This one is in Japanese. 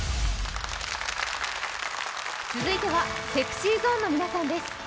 続いてはＳｅｘｙＺｏｎｅの皆さんです。